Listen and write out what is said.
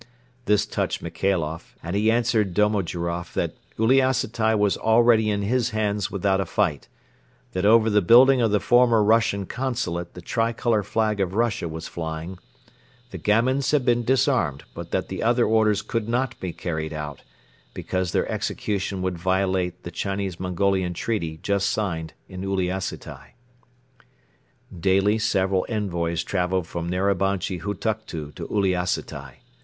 This touched Michailoff and he answered Domojiroff that Uliassutai was already in his hands without a fight; that over the building of the former Russian Consulate the tri color flag of Russia was flying; the gamins had been disarmed but that the other orders could not be carried out, because their execution would violate the Chinese Mongolian treaty just signed in Uliassutai. Daily several envoys traveled from Narabanchi Hutuktu to Uliassutai.